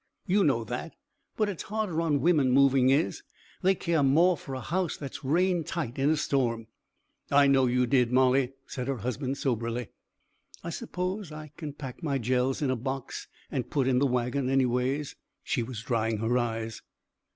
You know that. But it's harder on women, moving is. They care more for a house that's rain tight in a storm." "I know you did, Molly," said her husband soberly. "I suppose I can pack my jells in a box and put in the wagon, anyways." She was drying her eyes.